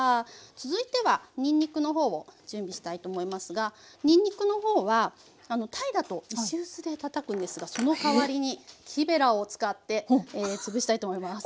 続いてはにんにくの方を準備したいと思いますがにんにくの方はタイだと石臼でたたくんですがそのかわりに木べらを使って潰したいと思います。